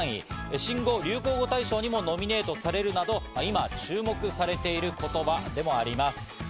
新語・流行語大賞にもノミネートされるなど、今注目されている言葉でもあります。